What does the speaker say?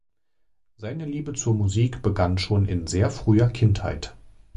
Seine Liebe zur Musik begann schon in sehr früher Kindheit.